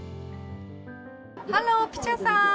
ハロー、ピチャさん。